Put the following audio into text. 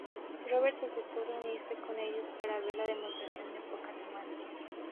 Roberts aceptó reunirse con ellos para ver la demostración en pocas semanas.